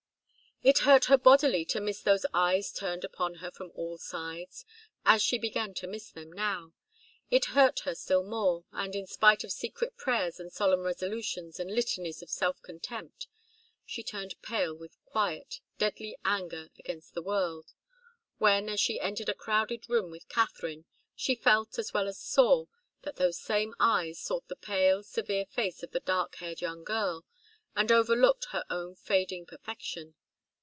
It hurt her bodily to miss those eyes turned upon her from all sides, as she began to miss them now. It hurt her still more and in spite of secret prayers and solemn resolutions and litanies of self contempt, she turned pale with quiet, deadly anger against the world when, as she entered a crowded room with Katharine, she felt, as well as saw, that those same eyes sought the pale, severe face of the dark haired young girl, and overlooked her own fading perfection.